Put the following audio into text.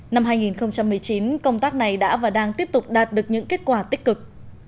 năm hai nghìn một mươi chín công tác này đã và đang tiếp tục đạt được những kết quả tích cực